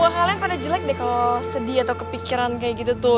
hal lain pada jelek deh kalau sedih atau kepikiran kayak gitu tuh